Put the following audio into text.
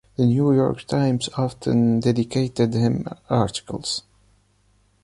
The New York Times often dedicated him articles.